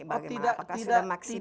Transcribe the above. bagaimana apakah sudah maksimal